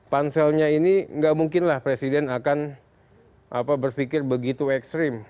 panselnya ini nggak mungkinlah presiden akan berpikir begitu ekstrim